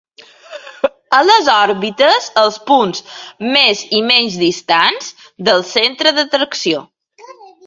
A les òrbites, els punts més i menys distants del centre d'atracció.